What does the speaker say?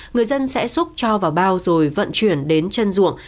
người dân sẽ xúc cho vào bao rồi vận chuyển đến chân ruộng